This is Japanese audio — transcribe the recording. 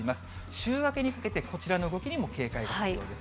週明けにかけて、こちらの動きにも警戒が必要です。